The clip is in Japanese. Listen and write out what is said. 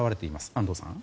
安藤さん。